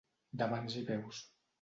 De mans i peus.